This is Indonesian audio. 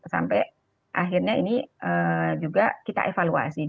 sampai akhirnya ini juga kita evaluasi